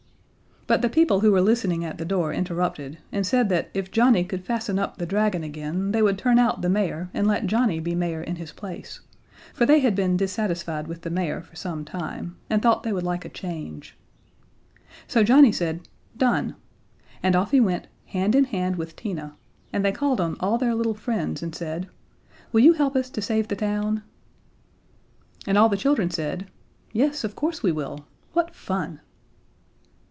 But the people who were listening at the door interrupted, and said that if Johnnie could fasten up the dragon again they would turn out the mayor and let Johnnie be mayor in his place. For they had been dissatisfied with the mayor for some time, and thought they would like a change. So Johnnie said, "Done," and off he went, hand in hand with Tina, and they called on all their little friends and said: "Will you help us to save the town?" And all the children said: "Yes, of course we will. What fun!"